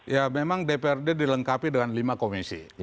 ya memang dprd dilengkapi dengan lima komisi